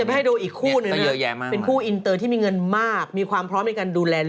ไปให้ดูอีกคู่หนึ่งเป็นคู่อินเตอร์ที่มีเงินมากมีความพร้อมในการดูแล